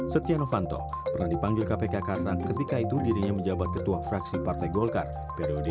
setia novanto pernah dipanggil kpk karena ketika itu dirinya menjabat ketua fraksi partai golkar periode dua ribu dua puluh